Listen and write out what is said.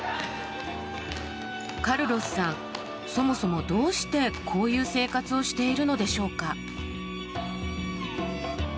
カルロスさん、そもそもどうしてこういう生活をしているのでしょうか。